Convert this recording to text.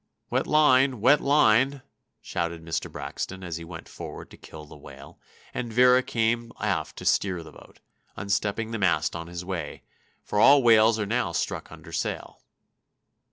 "Wet line! wet line!" shouted Mr. Braxton, as he went forward to kill the whale, and Vera came aft to steer the boat, unstepping the mast on his way; for all whales are now struck under sail.